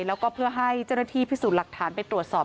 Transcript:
แล้วก็เพื่อให้เจ้าหน้าที่พิสูจน์หลักฐานไปตรวจสอบ